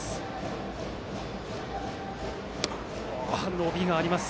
伸びがあります。